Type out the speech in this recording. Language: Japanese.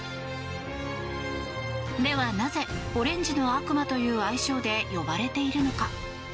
ではなぜオレンジの悪魔という愛称で呼ばれているのか？